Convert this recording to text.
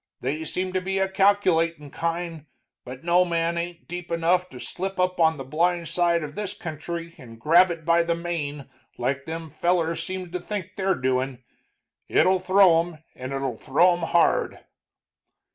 They seem to be a calculatin' kind, but no man ain't deep anough to slip up on the blind side of this country and grab it by the mane like them fellers seems to think they're doin'. It'll throw 'em, and it'll throw 'em hard."